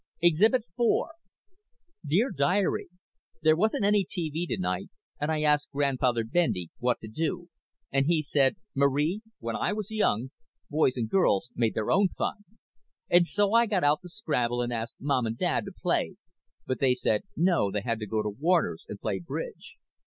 _ Exhibit four: _Dear Diary: _There wasn't any TV tonight and I asked Grandfather Bendy what to do and he said "Marie, when I was young, boys and girls made their own fun" and so I got out the Scrabble and asked Mom and Dad to play but they said no they had to go to the Warners and play bridge.